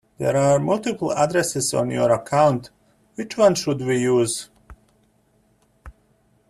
There are multiple addresses on your account, which one should we use?